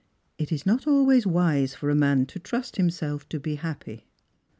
It is not always wise for a man to trust himself to be happy."